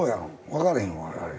分からへん我々。